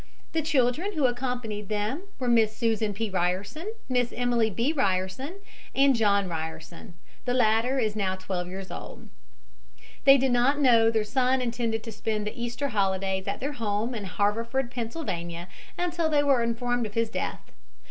The children who accompanied them were Miss Susan P. Ryerson, Miss Emily B. Ryerson and John Ryerson. The latter is 12 years old. They did not know their son intended to spend the Easter holidays at their home at Haverford, Pa. until they were informed of his death.